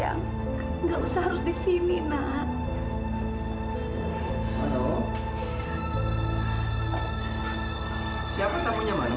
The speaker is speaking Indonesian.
aku tahu kalau dia penuh memperkuasa sekretarisnya sendiri